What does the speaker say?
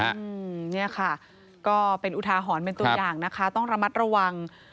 อืมเนี่ยค่ะก็เป็นอุทาหรณ์เป็นตัวอย่างนะคะต้องระมัดระวัง